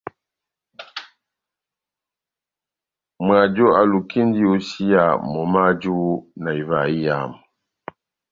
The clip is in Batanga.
Mwajo alukindi iyosiya momó waju na ivaha iyamu.